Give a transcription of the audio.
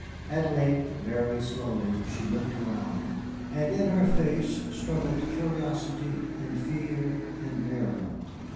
At length, very slowly, she looked around, and in her face struggled curiosity and fear and merriment.